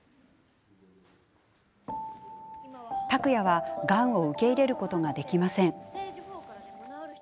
拓哉は、がんを受け入れることができません。